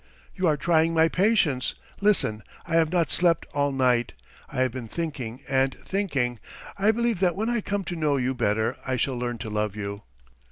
You are trying my patience. ... Listen, I have not slept all night. ... I have been thinking and thinking. ... I believe that when I come to know you better I shall learn to love you.